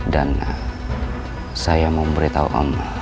dan saya mau memberitahu om